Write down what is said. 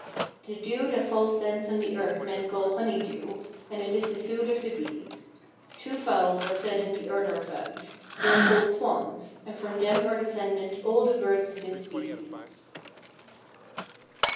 "' "The dew that falls thence on the earth men call honey dew, and it is the food of the bees. Two fowls are fed in the Urdar fount; they are called swans, and from them are descended all the birds of this species."